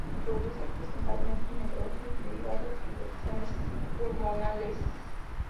Produce principalmente necrosis de hígado y lesiones pulmonares.